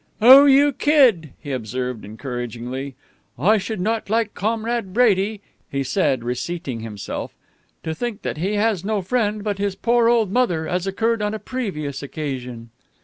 "Oh, you Kid!" he observed encouragingly. "I should not like Comrade Brady," he said, reseating himself, "to think that he has no friend but his poor old mother, as occurred on a previous occasion."